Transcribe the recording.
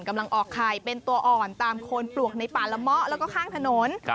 กำลังออกไข่เป็นตัวอ่อนตามคนปลวกในป่าละมะและข้างถนน